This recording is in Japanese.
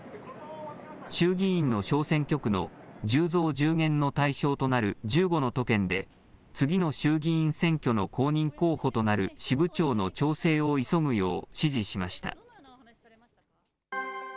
衆議院の小選挙区の１０増１０減の対象となる１５の都県で、次の衆議院選挙の公認候補となる支部長の調整を急ぐよう指示しま